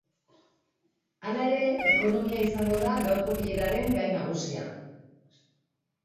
Hala ere, ekonomia izango da gaurko bileraren gai nagusia.